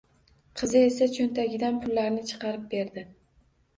Qizi esa, choʻntagidan pullarni chiqarib berdi.